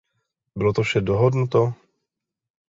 Bylo to vše dohodnuto?